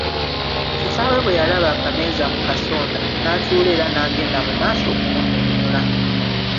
Kitaawe bwe yalaba akameeza mu kasonda n’atuula era n’agenda mu maaso okumunnyonnyola.